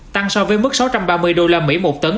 tăng so với mức sáu trăm ba mươi usd một tấn